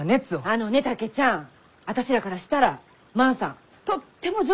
あのね竹ちゃん私らからしたら万さんとっても丈夫なお人だよ。